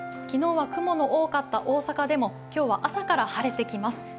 昨日は雲の多かった大阪でも今日は朝から晴れてきます。